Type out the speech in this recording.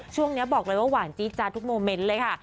ช่วงนี้บอกเลยว่าหวานจี๊จาทุกโมเมนต์เลยค่ะ